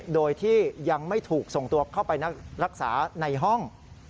โดยที่ยังไม่ถูกส่งตัวเข้าไปรักษาในห้อง